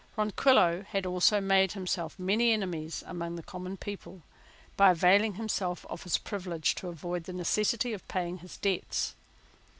Ronquillo had also made himself many enemies among the common people by availing himself of his privilege to avoid the necessity of paying his debts.